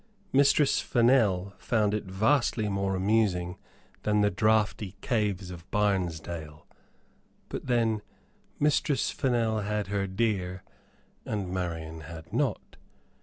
Mistress Fennel found it vastly more amusing than the draughty caves of Barnesdale; but then Mistress Fennel had her dear and Marian had not.